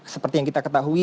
seperti yang kita ketahui